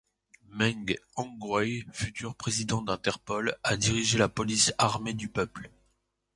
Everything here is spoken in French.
Meng Hongwei, futur président d’Interpol, a dirigé la Police armée du peuple.